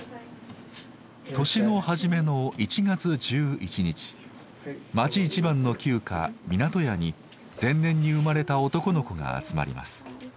年の初めの１月１１日町一番の旧家湊家に前年に生まれた男の子が集まります。